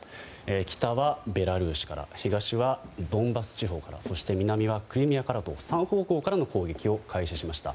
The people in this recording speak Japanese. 北はベラルーシから東はドンバス地方からそして、南はクリミアからと３方向からの攻撃を開始しました。